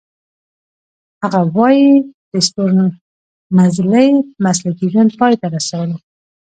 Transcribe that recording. هغه وايي د ستورمزلۍ مسلکي ژوند پای ته رسولو .